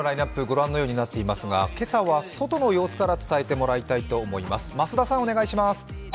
「ＴＩＭＥ，ＴＯＤＡＹ」ご覧のようになっていますが今朝は外の様子から伝えてもらいたいと思います。